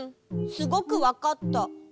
すごくわかった。